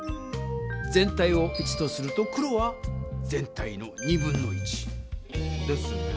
全体を１とすると黒は全体の1/2。ですね。